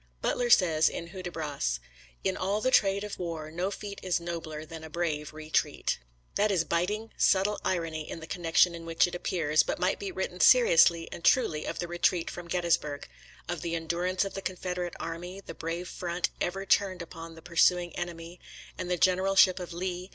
Butler says in Hudibras: "In all the trade of war, no feat Is nobler than a brave retreat." That is biting, subtle irony in the connection in which it appears, but might be written seri ously and truly of the retreat from Gettysburg — of the endurance of the Confederate army, the brave front ever turned upon the pursuing enemy, and the generalship of Lee.